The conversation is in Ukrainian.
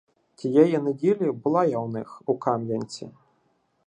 Тієї неділі була я у них у Кам'янці.